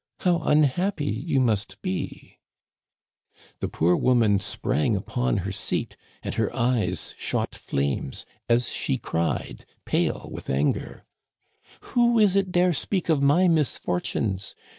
How unhappy you must be !" The poor woman sprang upon her seat and her eyes shot flames, as she cried, pale with anger :" Who is it dare speak of my misfortunes